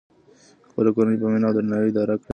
خپله کورنۍ په مینه او درناوي اداره کړئ.